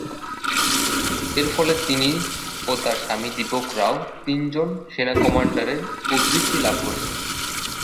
এর ফলে তিনি ও তার স্বামী দীপক রাও তিন জন সেনা কমান্ডারের উদ্ধৃতি লাভ করেছেন।